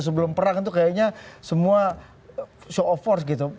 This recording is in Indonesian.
sebelum perang itu kayaknya semua show of force gitu